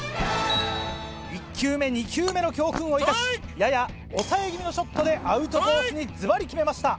１球目２球目の教訓を生かしやや抑え気味のショットでアウトコースにずばり決めました！